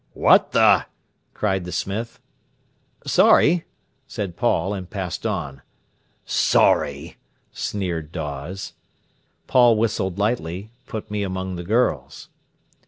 "What the—!" cried the smith. "Sorry!" said Paul, and passed on. "Sorry!" sneered Dawes. Paul whistled lightly, "Put Me among the Girls".